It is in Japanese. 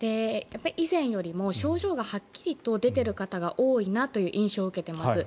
以前よりも症状がはっきりと出ている方が多いなという印象を受けています。